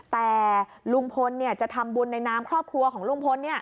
แต่ลุงพลจะทำบุญในนามครอบครัวของลุงพล